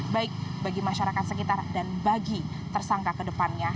baik bagi masyarakat sekitar dan bagi tersangka kedepannya